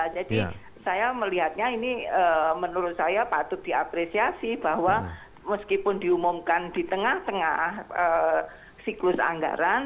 jadi saya melihatnya ini menurut saya patut diapresiasi bahwa meskipun diumumkan di tengah tengah siklus anggaran